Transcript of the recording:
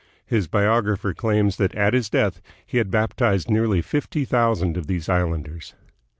His biographer claims that at his death he had baptized nearly fifty thousand of these islanders.